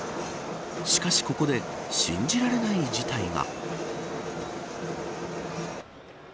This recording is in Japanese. しかし、ここで信じられない事態が。